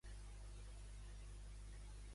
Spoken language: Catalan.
D'on provenia el nom Focos?